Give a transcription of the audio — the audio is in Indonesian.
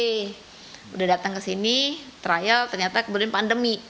jadi udah datang kesini trial ternyata kemudian pandemi